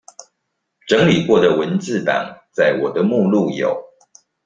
整理過的文字檔在我的目錄有